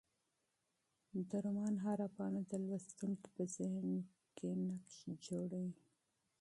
د رومان هره پاڼه د لوستونکي په ذهن کې نقش جوړوي.